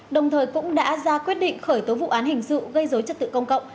đồng thời cũng đã ra quyết định khởi tố vụ án hình sự gây dối trật tự công cộng